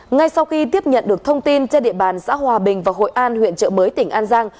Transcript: ngay sau khi tiếp nhận được thông tin trên địa bàn xã hòa bình và hội an huyện trợ mới tỉnh an giang